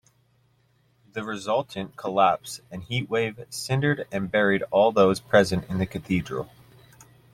The resultant collapse and heat-wave cindered and buried all those present in the Cathedral.